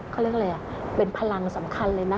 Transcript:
เขาเรียกอะไรเป็นพลังสำคัญเลยนะ